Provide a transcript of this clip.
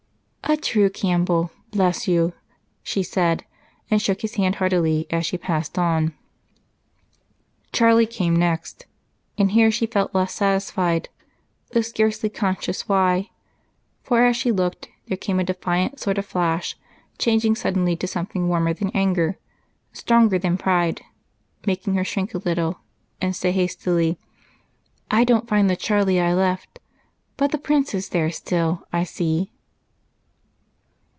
"A true Campbell, bless you!" she said, and shook his hand heartily as she passed on. Charlie came next, and here she felt less satisfied, though scarcely conscious why, for, as she looked, there came a defiant sort of flash, changing suddenly to something warmer than anger, stronger than pride, making her shrink a little and say, hastily, "I don't find the Charlie I left, but the Prince is there still, I see."